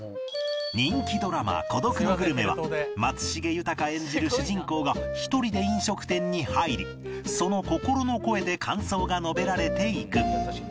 人気ドラマ『孤独のグルメ』は松重豊演じる主人公が一人で飲食店に入りその心の声で感想が述べられていく